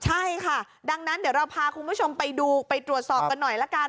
ใช่ค่ะดังนั้นเดี๋ยวเราพาคุณผู้ชมไปดูไปตรวจสอบกันหน่อยละกัน